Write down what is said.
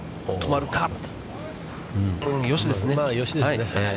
まあよしですね。